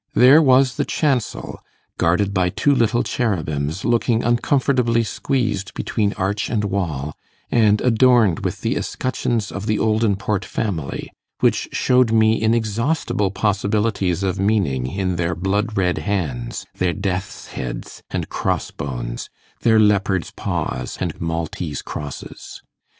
There was the chancel, guarded by two little cherubims looking uncomfortably squeezed between arch and wall, and adorned with the escutcheons of the Oldinport family, which showed me inexhaustible possibilities of meaning in their blood red hands, their death's heads and cross bones, their leopards' paws, and Maltese crosses.